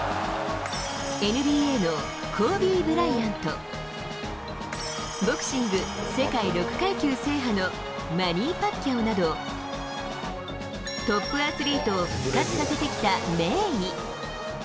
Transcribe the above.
ＮＢＡのコービー・ブライアント、ボクシング世界６階級制覇のマニー・パッキャオなど、トップアスリートを復活させてきた名医。